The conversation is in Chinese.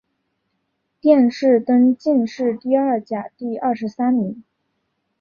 殿试登进士第二甲第二十三名。